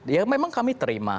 ya memang kami terima